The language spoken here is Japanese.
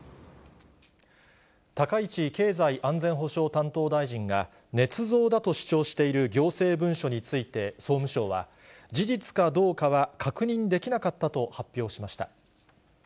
高市経済安全保障担当大臣が、ねつ造だと主張している行政文書について、総務省は事実かどうかは確認できなかったと発表しました。